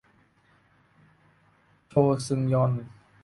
โชซึงยอน